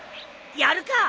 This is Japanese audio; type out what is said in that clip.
やるか！